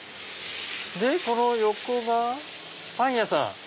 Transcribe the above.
この横がパン屋さん。